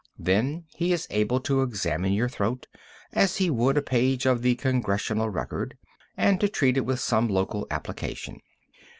Then he is able to examine your throat as he would a page of the Congressional Record, and to treat it with some local application.